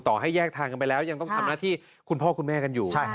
ให้แยกทางกันไปแล้วยังต้องทำหน้าที่คุณพ่อคุณแม่กันอยู่